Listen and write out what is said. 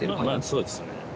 まぁそうですね